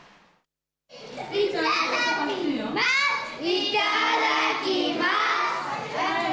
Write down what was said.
いただきます。